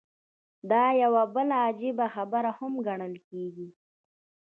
دا يوه بله عجيبه خبره هم ګڼل کېږي.